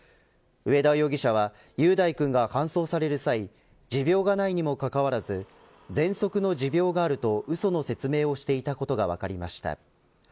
上田容疑者は雄大くんが搬送される際持病がないにもかかわらずぜんそくの持病があるとうその説明をしていたことが分かりました。